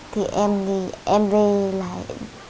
thì em nghĩ em về lại